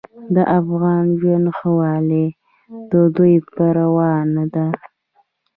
د افغان ژوند ښهوالی د دوی پروا نه ده.